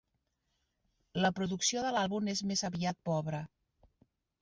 La producció de l'àlbum és més aviat pobra.